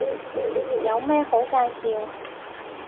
有咩好介紹